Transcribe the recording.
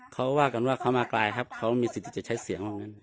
เขาว่ากันว่าเขามาไกลครับเขามีสิทธิ์ที่จะใช้เสียงว่างั้น